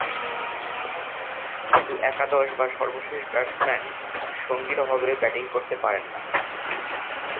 কিন্তু একাদশ বা সর্বশেষ ব্যাটসম্যান সঙ্গীর অভাবে ব্যাটিং করতে পারেন না।